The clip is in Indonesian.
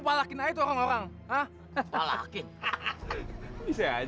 dari penyakit anak anak